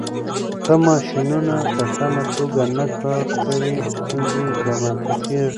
که ماشينونه په سمه توګه نه کار کوي، ستونزې رامنځته کېږي.